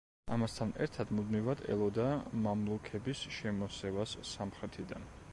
ამასთან ერთად, მუდმივად ელოდა მამლუქების შემოსევას სამხრეთიდან.